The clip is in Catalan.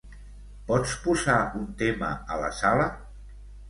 Pots posar un tema a la sala?